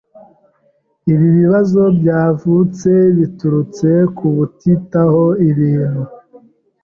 Ibi bibazo byavutse biturutse kubutitaho ibintu.